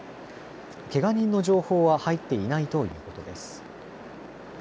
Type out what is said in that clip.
けが人の情報は入っていないということです。